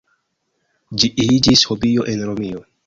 Ĝi iĝis hobio en Romio.